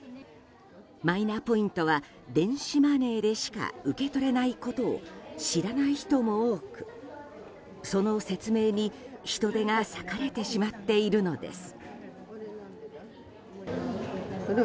マイナポイントは電子マネーでしか受け取れないことを知らない人も多くその説明に人手が割かれてしまっているのです。